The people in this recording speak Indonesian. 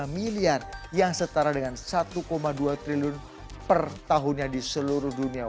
dua lima miliar yang setara dengan satu dua triliun per tahunnya di seluruh dunia